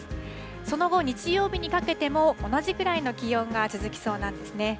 その後、日曜日にかけても、同じくらいの気温が続きそうなんですね。